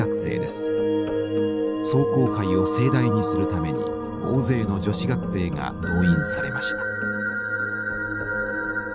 壮行会を盛大にするために大勢の女子学生が動員されました。